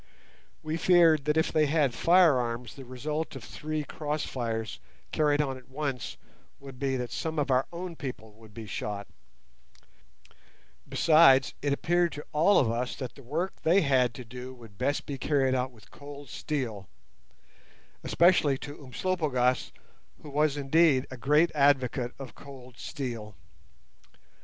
We feared that if they had firearms the result of three cross fires carried on at once would be that some of our own people would be shot; besides, it appeared to all of us that the work they had to do would best be carried out with cold steel—especially to Umslopogaas, who was, indeed, a great advocate of cold steel.